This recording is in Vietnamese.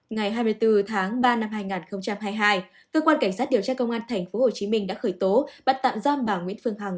ngày hai mươi bốn tháng ba năm hai nghìn hai mươi hai cơ quan cảnh sát điều tra công an tp hcm đã khởi tố bắt tạm giam bà nguyễn phương hằng